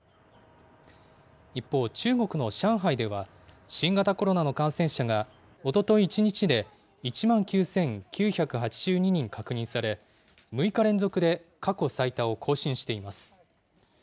一方、中国の上海では、新型コロナの感染者が、おととい１日で１万９９８２人確認され、６日連続で過去最多を更新しています。